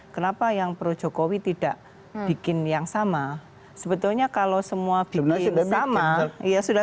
kenapa yang pro jokowi tidak bikin yang sama sebetulnya kalau semua bikin sama ya sudah